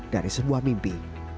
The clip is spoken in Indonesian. dari sebuah mimpi